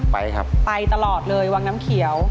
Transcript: ไปครับไปตลอดเลยวังน้ำเขียว